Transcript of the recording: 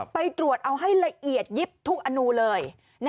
ไปตรวจเอาให้ละเอียดยิบทุกอนูเลย